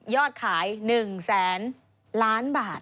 ยอดขายหนึ่งแสนล้านบาท